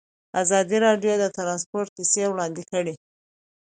ازادي راډیو د ترانسپورټ کیسې وړاندې کړي.